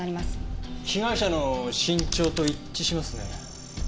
被害者の身長と一致しますね。